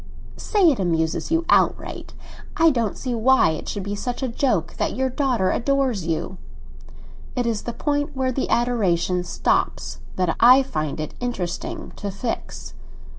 "Say it amuses you outright! I don't see why it should be such a joke that your daughter adores you." "It is the point where the adoration stops that I find it interesting to fix."